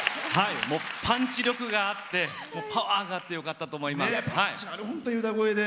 パンチ力があってパワーがあってよかったと思います。